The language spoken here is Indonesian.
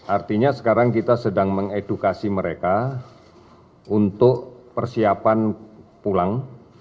artinya sekarang kita sedang mengedukasi mereka untuk persiapan pulang